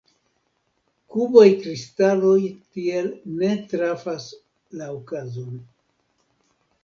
Kubaj kristaloj tiel ne trafas la okazon.